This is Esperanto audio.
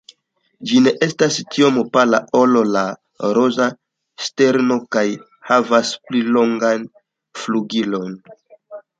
Ĝi ne estas tiom pala ol la Roza ŝterno, kaj havas pli longajn flugilojn.